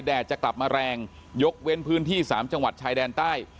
จะกลับมาแรงยกเว้นพื้นที่๓จังหวัดชายแดนใต้